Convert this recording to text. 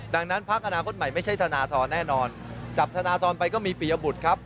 ดังนั้นพักอนาคตใหม่ไม่ใช่ธนทรแน่นอนจับธนทรไปก็มีปียบุตรครับ